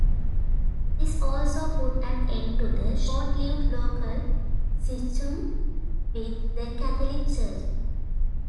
This also put an end to the short-lived local schism with the Catholic Church.